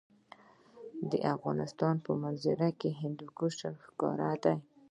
د افغانستان په منظره کې هندوکش ښکاره ده.